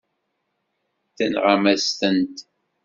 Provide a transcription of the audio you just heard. Tenɣam-as-tent.